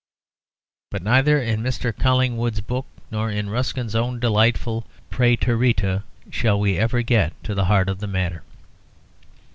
But neither in Mr. Collingwood's book nor in Ruskin's own delightful "Præterita" shall we ever get to the heart of the matter.